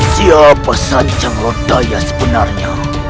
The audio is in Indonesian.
siapa sanjang rodaya sebenarnya